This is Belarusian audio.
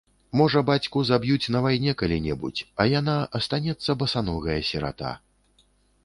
Можа, бацьку заб'юць на вайне калі-небудзь, а яна астанецца басаногая сірата.